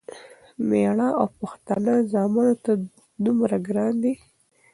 مېړه او پښتانه ځامنو ته دومره ګران دی،